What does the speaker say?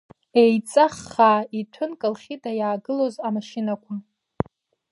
Еиҵаххаа иҭәын Колхида иаагылоз амашьынақәа.